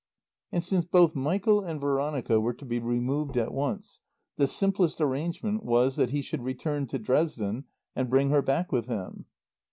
And since both Michael and Veronica were to be removed at once, the simplest arrangement was that he should return to Dresden and bring her back with him.